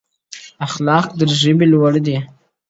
بولي یې د خدای آفت زموږ د بد عمل سزا.!